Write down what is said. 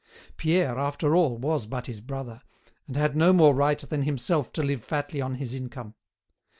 Pierre, after all, was but his brother, and had no more right than himself to live fatly on his income.